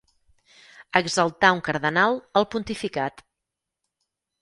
Exaltar un cardenal al pontificat.